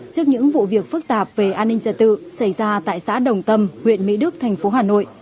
trước những vụ việc phức tạp về an ninh trật tự xảy ra tại xã đồng tâm huyện mỹ đức thành phố hà nội